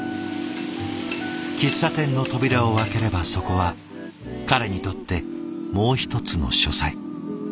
喫茶店の扉を開ければそこは彼にとってもう一つの書斎。